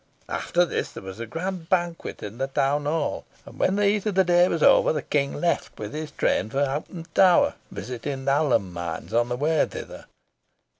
After this there was a grand banquet in the town hall; and when the heat of the day was over the King left with his train for Hoghton Tower, visiting the alum mines on the way thither.